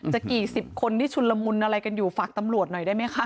จะกี่สิบคนที่ชุนละมุนอะไรกันอยู่ฝากตำรวจหน่อยได้ไหมคะ